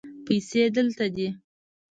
پیسې دلته دي